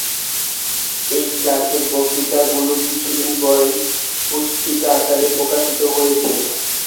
এই ক্লাসের বক্তৃতাগুলি কিছুদিন পরেই পুস্তকাকারে প্রকাশিত হইয়াছিল।